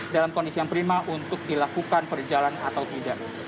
dalam kondisi yang prima untuk dilakukan perjalanan atau tidak